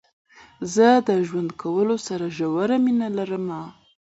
زه د ژوند کولو سره ژوره مينه لرم.